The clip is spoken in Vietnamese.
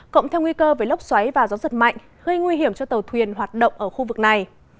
cộng theo nguy cơ với lốc xoáy và gió giật mạnh gây nguy hiểm cho tàu thuyền hoạt động ở khu vực này